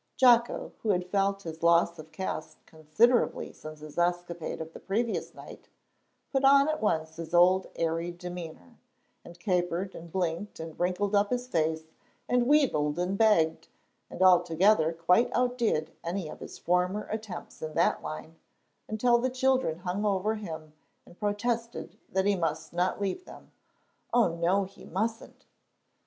Jocko, who had felt his loss of caste considerably since his escapade of the previous night, put on at once his old airy demeanor, and capered and blinked and wrinkled up his face, and wheedled and begged, and altogether quite outdid any of his former attempts in that line, until the children hung over him and protested that he must not leave them. Oh, no, he mustn't!